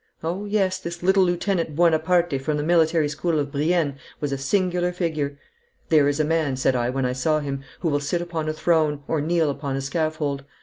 Oh, yes, this little Lieutenant Buonaparte from the Military School of Brienne was a singular figure. "There is a man," said I, when I saw him, "who will sit upon a throne or kneel upon a scaffold."